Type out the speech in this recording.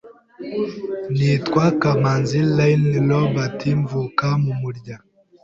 Nitwa KAMANZI Alain Robert mvuka mu murya